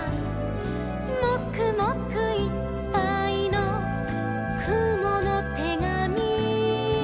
「もくもくいっぱいのくものてがみ」